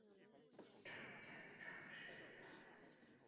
丈夫蒋君超也是电影导演。